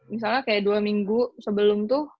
misalnya kayak dua minggu sebelum tuh